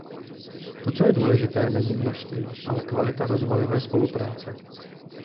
To, co je důležité, není množství, ale kvalita rozvojové spolupráce.